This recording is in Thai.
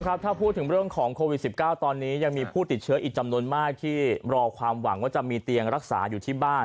ถ้าพูดถึงเรื่องของโควิด๑๙ตอนนี้ยังมีผู้ติดเชื้ออีกจำนวนมากที่รอความหวังว่าจะมีเตียงรักษาอยู่ที่บ้าน